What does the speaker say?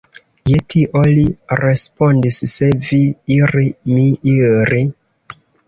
Je tio li respondis, Se vi iri, mi iri.